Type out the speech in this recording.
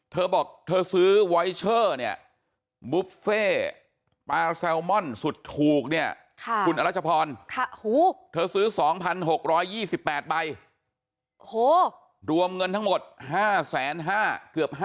เธอบอกเธอซื้อวอยเชอร์เนี่ยบุฟเฟ่ปลาแซลมอนสุดถูกเนี่ยคุณอรัชพรเธอซื้อ๒๖๒๘ใบโอ้โหรวมเงินทั้งหมด๕๕๐๐เกือบ๕๐๐